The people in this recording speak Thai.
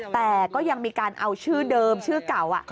แต่ก็ยังมีการเอาชื่อเดิมชื่อเก่า